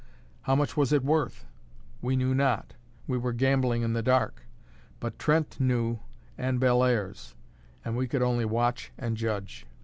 How much was it worth? We knew not, we were gambling in the dark; but Trent knew, and Bellairs; and we could only watch and judge.